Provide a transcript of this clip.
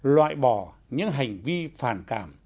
loại bỏ những hành vi phản cảm